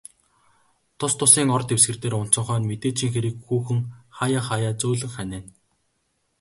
Тус тусын ор дэвсгэр дээр унтсан хойно, мэдээжийн хэрэг хүүхэн хааяа хааяа зөөлөн ханиана.